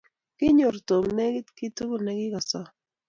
Kinyor Tom negit kiy tugul nekikasom